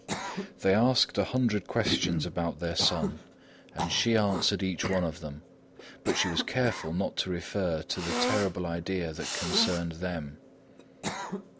They asked a hundred questions about their son, and she answered each one of them, but she was careful not to refer to the terrible idea that concerned them.